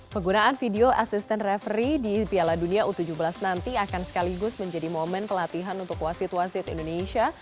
penggunaan video asisten referee di piala dunia u tujuh belas nanti akan sekaligus menjadi momen pelatihan untuk wasit wasit indonesia